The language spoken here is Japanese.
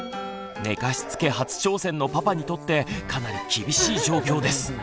寝かしつけ初挑戦のパパにとってかなり厳しい状況です。